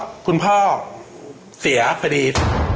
คุณพ่อเสียพอดี